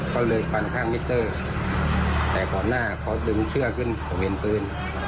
ก็เลยฟันข้างมิเตอร์แต่ก่อนหน้าเขาดึงเสื้อขึ้นผมเห็นปืน